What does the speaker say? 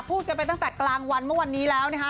พูดกันไปตั้งแต่กลางวันเมื่อวันนี้แล้วนะคะ